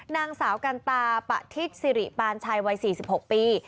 นางสาวกันตาปะทิศสิริปานชัยวัย๔๖ปี